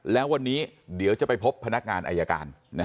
แล้ววันนี้เดี๋ยวจะไปพบพนักงานอายการ